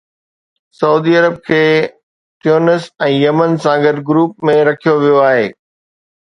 سعودي عرب کي تيونس ۽ يمن سان گڏ گروپ ۾ رکيو ويو آهي